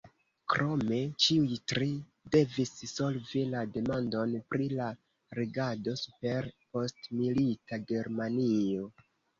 Krome, ĉiuj tri devis solvi la demandon pri la regado super postmilita Germanio.